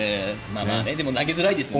でも、投げづらいですね。